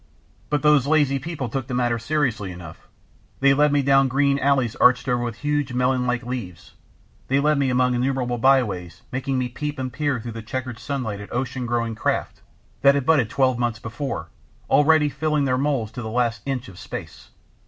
But those lazy people took the matter seriously enough. They led me down green alleys arched over with huge melon like leaves; they led me along innumerable byways, making me peep and peer through the chequered sunlight at ocean growing craft, that had budded twelve months before, already filling their moulds to the last inch of space.